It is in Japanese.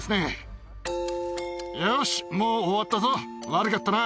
よしもう終わったぞ悪かったな。